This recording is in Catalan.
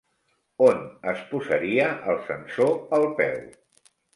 On es posaria el sensor al peu?